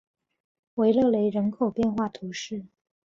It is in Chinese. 维勒雷人口变化图示